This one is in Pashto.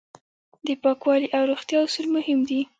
د پاکوالي او روغتیا اصول مهم دي.